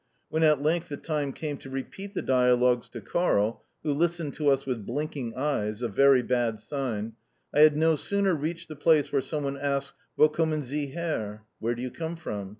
When at length the time came to repeat the dialogues to Karl (who listened to us with blinking eyes a very bad sign), I had no sooner reached the place where some one asks, "Wo kommen Sie her?" ("Where do you come from?")